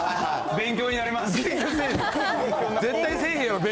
勉強になります。